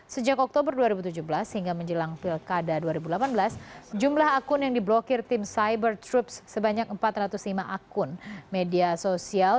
sejak oktober dua ribu tujuh belas hingga menjelang pilkada dua ribu delapan belas jumlah akun yang diblokir tim cyber troops sebanyak empat ratus lima akun media sosial